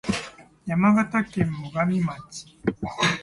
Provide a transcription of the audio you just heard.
山形県最上町